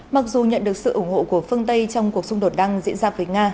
mặc dù nhận được sự ủng hộ của phương tây trong cuộc xung đột đang diễn ra với nga